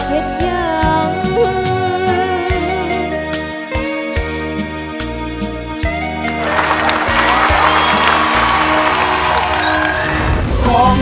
ภูมิสุภาพยาบาลภูมิสุภาพยาบาล